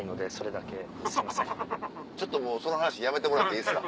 ちょっともうその話やめてもらっていいですか。